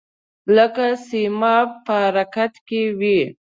لکه سیماب په حرکت کې وي.